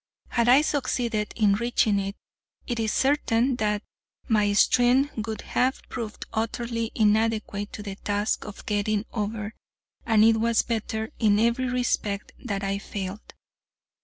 Had I succeeded in reaching it, it is certain that my strength would have proved utterly inadequate to the task of getting over, and it was better in every respect that I failed.